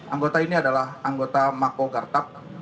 anggota ini adalah anggota mako gartab